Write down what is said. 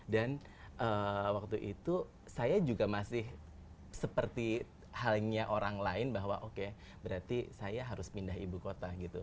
dan waktu itu saya juga masih seperti halnya orang lain bahwa oke berarti saya harus pindah ibu kota gitu